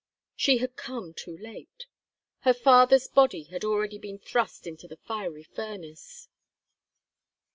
She had come too late! Her father's body had already been thrust into the fiery furnace.